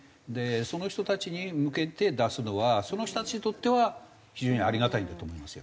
その人たちに向けて出すのはその人たちにとっては非常にありがたいんだと思いますよ。